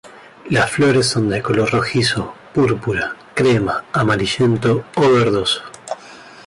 Las flores son de color rojizo, púrpura, crema, amarillento o verdoso.